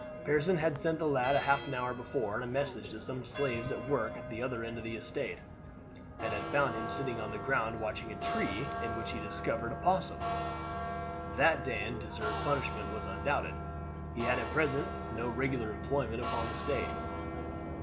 Pearson had sent the lad half an hour before on a message to some slaves at work at the other end of the estate, and had found him sitting on the ground watching a tree in which he had discovered a possum. That Dan deserved punishment was undoubted. He had at present no regular employment upon the estate.